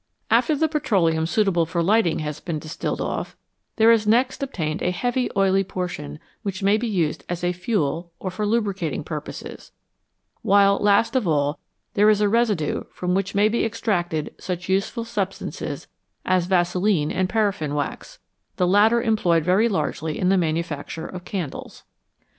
After the petroleum 135 NATURE'S STORES OF FUEL suitable for lighting has been distilled off, there is next obtained a heavy oily portion which may be used as a fuel or for lubricating purposes, while, last of all, there is a residue from which may be extracted such useful substances as vaseline and paraffin wax, the latter em ployed very largely in the manufacture of candles.